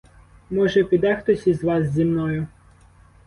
Може, піде хтось із вас зі мною?